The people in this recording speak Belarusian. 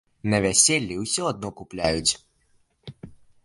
На вяселлі ўсё адно купляюць.